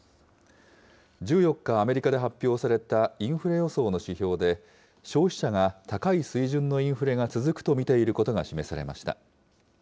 １４日、アメリカで発表されたインフレ予想の指標で、消費者が高い水準のインフレが続くと見ていることが示されました。